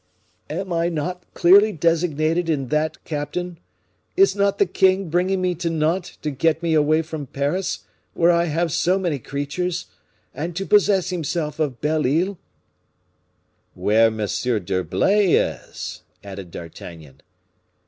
"Am I not clearly designated in that, captain? Is not the king bringing me to Nantes to get me away from Paris, where I have so many creatures, and to possess himself of Belle Isle?" "Where M. d'Herblay is," added D'Artagnan.